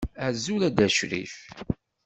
Azul a Dda crif.